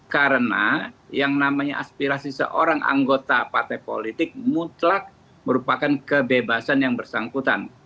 karena yang namanya aspirasi seorang anggota partai politik mutlak merupakan kebebasan yang bersangkutan